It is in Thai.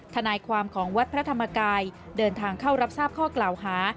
ทนายความของวัดพระธรรมกายเดินทางเข้ารับทราบข้อกล่าวหา